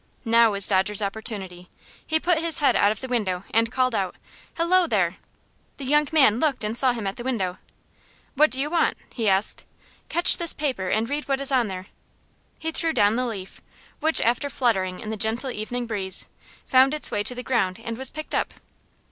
Now was Dodger's opportunity. He put his head out of the window and called out: "Hello, there!" The young man looked and saw him at the window. "What do you want?" he asked. "Catch this paper, and read what there is on it." He threw down the leaf, which, after fluttering in the gentle evening breeze, found its way to the ground and was picked up.